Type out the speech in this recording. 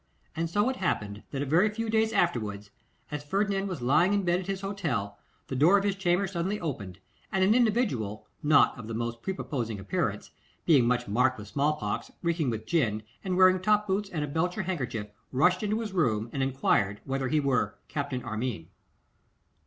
And so it happened that a very few days afterwards, as Ferdinand was lying in bed at his hotel, the door of his chamber suddenly opened, and an individual, not of the most prepossessing appearance, being much marked with smallpox, reeking with gin, and wearing top boots and a belcher handkerchief, rushed into his room and enquired whether he were Captain Armine.